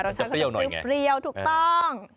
รสชาติก็จะเปรี้ยวถูกต้อง